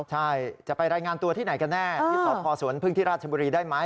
ใช่จะไปรายงานตัวที่ไหนกันแน่ที่สพสวนพึ่งที่ราชบุรีได้ไหม